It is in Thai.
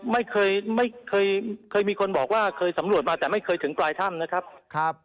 ไม่เคยไม่เคยเคยมีคนบอกว่าเคยสำรวจมาแต่ไม่เคยถึงปลายถ้ำนะครับ